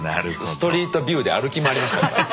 ストリートビューで歩き回りましたから。